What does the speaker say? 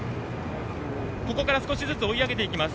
ここから少しずつ追い上げていきます。